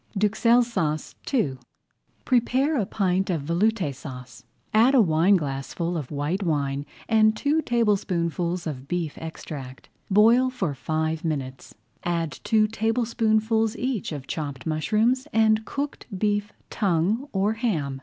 DUXELLES SAUCE II Prepare a pint of Veloute Sauce, add a wineglassful of white wine and two tablespoonfuls of beef extract. Boil for five minutes, add two tablespoonfuls each of chopped mushrooms and cooked beef tongue or ham.